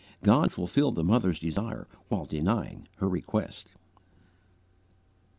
God fulfilled the mother's desire while denying her _request.